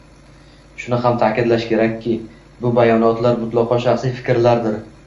Shuni ham ta'kidlash kerakki, bu bayonotlar mutlaqo shaxsiy fikrlardir